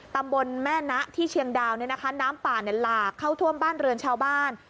ตำบลแม่นะที่เชียงดาวเนี่ยนะคะน้ำป่าเนี่ยหลากเข้าท่วมบ้านเรือนชาวบ้าน